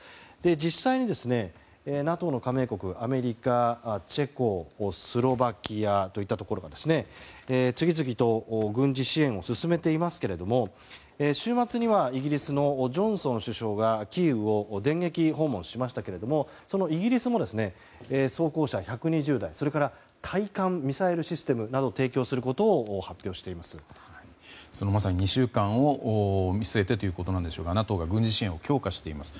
実際にＮＡＴＯの加盟国アメリカ、チェコ、スロバキアといったところが次々と軍事支援を進めていますけども週末にはイギリスのジョンソン首相がキーウを電撃訪問しましたけれどもそのイギリスも装甲車１２０台それから対艦ミサイルシステムなどを提供することをまさに、その２週間を見据えてということですがＮＡＴＯが軍事支援を強化しています。